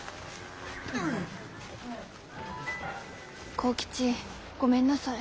幸吉ごめんなさい。